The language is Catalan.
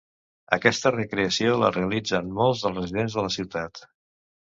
Aquesta recreació la realitzen molts dels residents de la ciutat.